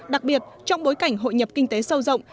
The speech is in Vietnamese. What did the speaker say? đặc biệt trong bối cảnh hội nhập kinh tế sâu rộng